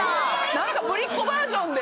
なんかぶりっ子バージョンで。